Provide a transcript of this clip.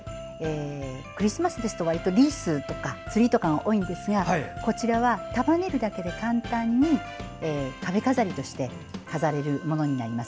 クリスマスですとわりとリースとかツリーとかが多いんですがこちらは束ねるだけで簡単に壁飾りとして飾れるものになります。